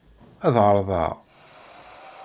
Ad ɛerḍeɣ.